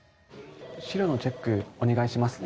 資料のチェックお願いします。